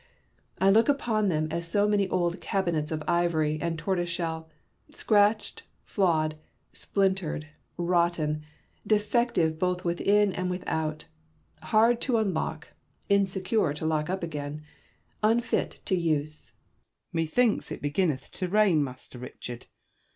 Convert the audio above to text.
I look upon them as so many old cabinets of ivory and tortoise shell, scratched, flawed, splintered, rotten, defective both within and without, hard to unlock, insecure to lock up again, unfit to use. Bacon. Methinks it beginneth to rain. Master Richard.